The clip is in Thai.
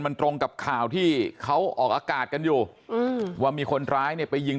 มันตรงกับข่าวที่เขาออกอากาศกันอยู่อืมว่ามีคนร้ายเนี่ยไปยิง